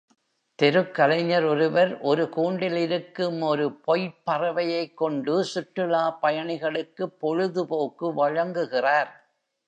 தெருக் கலைஞர் ஒருவர், ஒரு கூண்டில் இருக்கும் ஒரு பொய்ப் பறவையைக் கொண்டு சுற்றுலாப் பயணிகளுக்குப் பொழுதுபோக்கு வழங்குகிறார்.